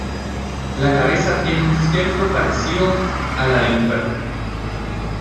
La cabeza tiene un cierto parecido a la de un perro.